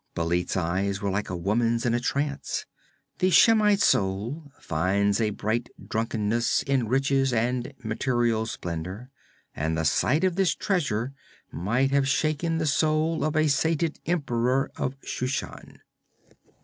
Bêlit's eyes were like a woman's in a trance. The Shemite soul finds a bright drunkenness in riches and material splendor, and the sight of this treasure might have shaken the soul of a sated emperor of Shushan.